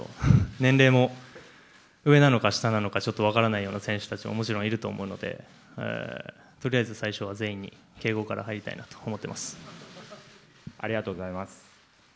年齢も上なのか下なのか、ちょっと分からないような選手たちも、もちろんいると思うので、とりあえず最初は全員に敬語から入りたありがとうございます。